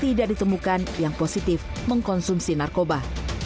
tidak ditemukan yang positif mengkonsumsi narkoba